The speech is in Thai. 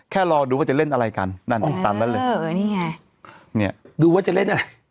รอดูว่าจะเล่นอะไรกันนั่นตามนั้นเลยเออนี่ไงเนี่ยดูว่าจะเล่นอะไร